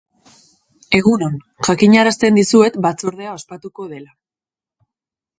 Egun on, jakinarazten dizuet batzordea ospatuko dela.